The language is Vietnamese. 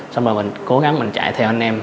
xong rồi mình cố gắng mình chạy theo anh em